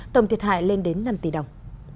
tổng thiệt hại lên đến năm tỷ đồng